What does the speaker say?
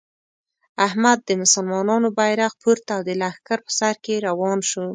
احمد د مسلمانانو بیرغ پورته او د لښکر په سر کې روان شو.